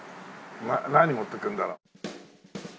何持ってくるんだろう？